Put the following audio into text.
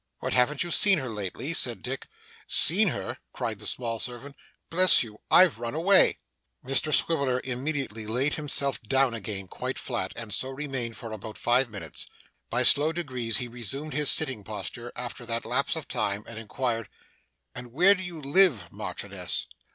'What, haven't you seen her lately?' said Dick. 'Seen her!' cried the small servant. 'Bless you, I've run away!' Mr Swiveller immediately laid himself down again quite flat, and so remained for about five minutes. By slow degrees he resumed his sitting posture after that lapse of time, and inquired: 'And where do you live, Marchioness?